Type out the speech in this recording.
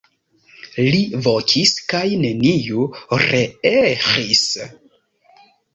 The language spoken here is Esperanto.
Li vokis kaj neniu reeĥis.